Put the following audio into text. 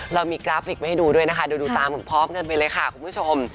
เรามีกราฟิกมาให้ดูด้วยนะคะดูตามพร้อมกันไปเลยค่ะคุณผู้ชม